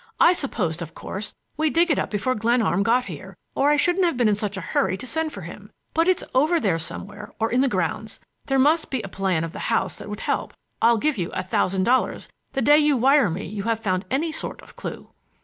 I supposed, of course, we'd dig it up before Glenarm got here or I shouldn't have been in such a hurry to send for him. But it's over there somewhere, or in the grounds. There must he a plan of the house that would help. I'll give you a thousand dollars the day you wire me you have found any sort of clue."